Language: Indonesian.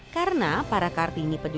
karena para kartini penjualan